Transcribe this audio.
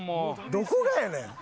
どこがやねん！